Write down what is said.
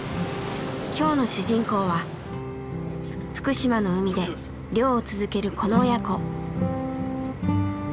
今日の主人公は福島の海で漁を続けるこの親子。